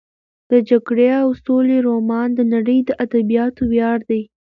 د جګړې او سولې رومان د نړۍ د ادبیاتو ویاړ دی.